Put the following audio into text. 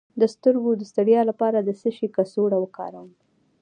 د سترګو د ستړیا لپاره د څه شي کڅوړه وکاروم؟